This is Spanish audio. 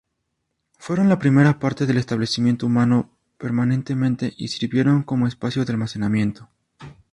Fueron la primera parte del establecimiento humano permanente y sirvieron como espacio de almacenamiento.